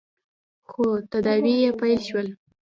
خو تداوې يې پیل شول.